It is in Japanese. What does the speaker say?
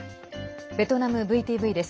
ベトナムＶＴＶです。